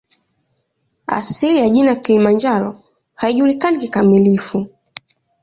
Asili ya jina "Kilimanjaro" haijulikani kikamilifu.